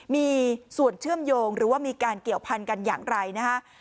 มีส่วนเชื่อมโยงหรือว่ามีการเกี่ยวพันกันอย่างไรนะฮะ